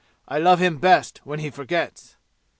I love him best when he forgets!"